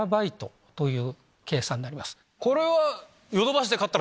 これは。